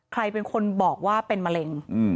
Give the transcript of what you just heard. ใครเป็นคนบอกว่าเป็นมะเร็ง